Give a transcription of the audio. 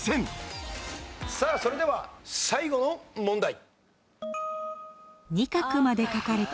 さあそれでは最後の問題。